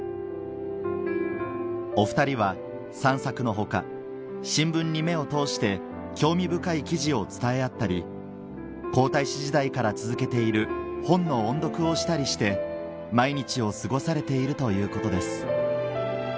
お２人は散策の他新聞に目を通して興味深い記事を伝え合ったり皇太子時代から続けている本の音読をしたりして毎日を過ごされているということです